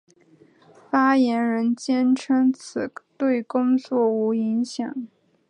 发言人坚称此对工作无影响。